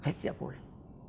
saya tidak boleh